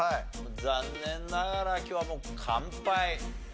残念ながら今日はもう完敗。